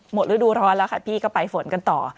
ฤดูร้อนแล้วค่ะพี่ก็ไปฝนกันต่อ